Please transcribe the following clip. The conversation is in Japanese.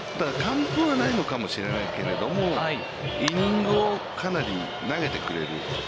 だから、完封はないのかもしれないけれども、イニングをかなり投げてくれる。